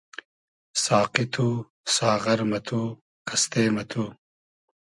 ساقی تو , ساغر مہ تو , قئستې مہ تو